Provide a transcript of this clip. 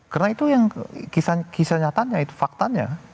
karena itu yang kisah nyatanya itu faktanya